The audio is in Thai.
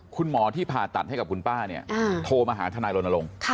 คุณหมอที่ผ่าตัดให้กับคุณป้าเนี่ยโทรมาหาทนายรณรงค์